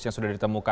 yang sudah ditemukan